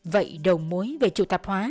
vậy đầu mối về trụ tạp hóa